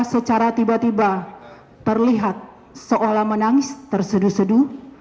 secara tiba tiba terlihat seolah menangis terseduh seduh